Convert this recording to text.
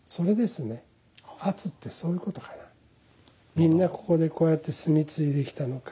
みんなここでこうやって炭継いできたのか。